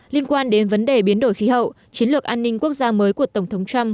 liên quan đến vấn đề biến đổi khí hậu chiến lược an ninh quốc gia mới của tổng thống trump